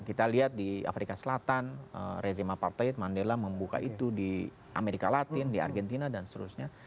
kita lihat di afrika selatan rezima partheid mandela membuka itu di amerika latin di argentina dan seterusnya